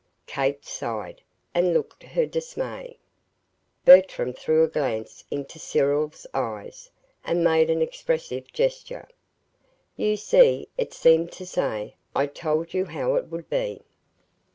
Kate sighed, and looked her dismay. Bertram threw a glance into Cyril's eyes, and made an expressive gesture. "You see," it seemed to say. "I told you how it would be!"